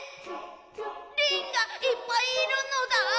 リンがいっぱいいるのだ？